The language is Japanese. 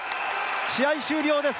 試合終了です。